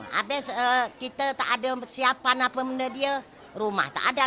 habis kita tak ada siapan apa apa dia rumah tak ada